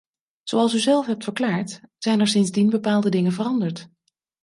Zoals u zelf hebt verklaard, zijn er sindsdien bepaalde dingen veranderd.